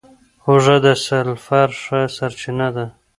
هوږه د سلفر ښه سرچینه ده.